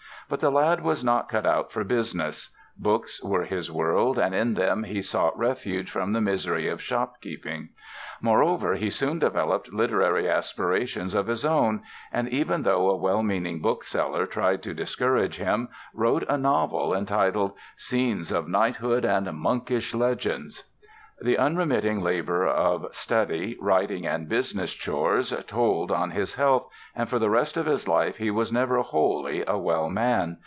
But the lad was not cut out for business; books were his world and in them he sought refuge from the misery of shopkeeping. Moreover, he soon developed literary aspirations of his own and, even though a well meaning book seller tried to discourage him, wrote a novel entitled "Scenes of Knighthood and Monkish Legends". The unremitting labor of study, writing and business chores told on his health and for the rest of his life he was never wholly a well man.